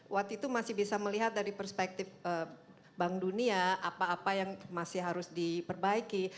waktu itu masih bisa melihat dari perspektif bank dunia apa apa yang masih harus diperbaiki